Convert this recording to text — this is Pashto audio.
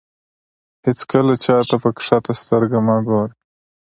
هېڅکله چاته په کښته سترګه مه ګوره.